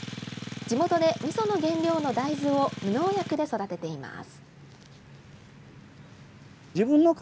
地元で、みその原料の大豆を無農薬で育てています。